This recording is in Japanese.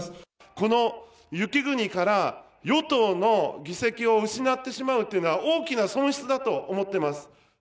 この雪国から与党の議席を失ってしまうっていうのは大きな損失だと思ってます。